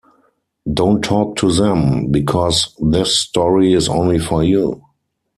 Don't talk to them, because this story is only for you.